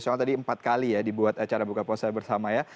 soalnya tadi empat kali ya dibuat acara buka puasa bersama ya